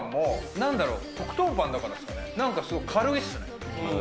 なんかすごい軽いですね。